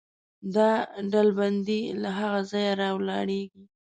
دا ډلبندي له هغه ځایه راولاړېږي.